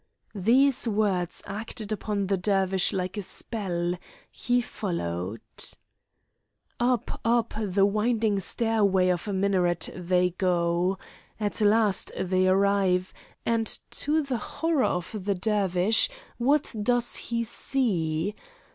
These words acted upon the Dervish like a spell; he followed. Up, up, the winding stairway of a minaret they go. At last they arrive, and to the horror of the Dervish, what does he see?